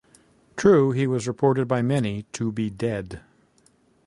True he was reported by many to be dead.